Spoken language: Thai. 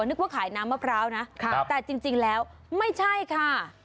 นึกว่าขายน้ำมะพร้าวนะแต่จริงแล้วไม่ใช่ค่ะ